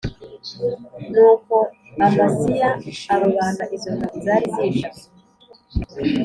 Nuko Amasiya arobanura izo ngabo zari zije aho